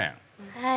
はい。